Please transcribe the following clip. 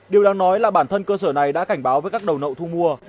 điều đáng nói là bản thân cơ sở này đã cảnh báo với các đầu nậu thu mua